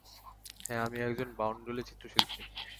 হ্যাঁ, আমি একজন বাউন্ডুলে চিত্রশিল্পী।